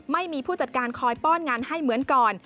ผู้จัดการคอยป้อนงานให้เหมือนก่อน